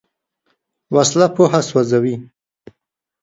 وسله پوهه سوځوي